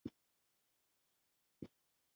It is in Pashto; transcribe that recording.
Full Employment